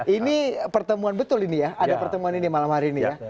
ini pertemuan betul ini ya ada pertemuan ini malam hari ini ya